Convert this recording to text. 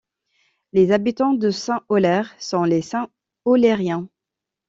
Les habitants de Saint-Aulaire sont les Saint-Aulairiens.